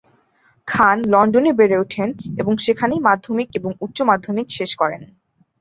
খান লন্ডনে বেড়ে ওঠেন এবং সেখানেই মাধ্যমিক এবং উচ্চ মাধ্যমিক শেষ করেন।